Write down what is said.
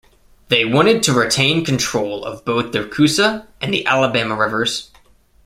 They wanted to retain control of both the Coosa and the Alabama rivers.